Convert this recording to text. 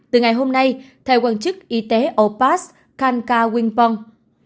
từ ngày hôm nay theo quan chức y tế opas kanka wingpong